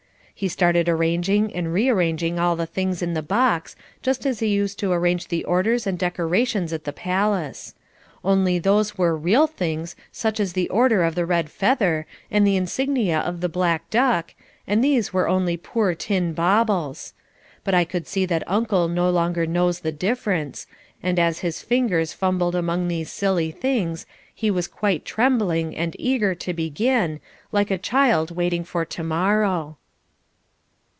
He started arranging and rearranging all the things in the box, just as he used to arrange the orders and decorations at the Palace. Only those were REAL things such as the Order of the Red Feather, and The Insignia of the Black Duck, and these were only poor tin baubles. But I could see that Uncle no longer knows the difference, and as his fingers fumbled among these silly things he was quite trembling and eager to begin, like a child waiting for to morrow.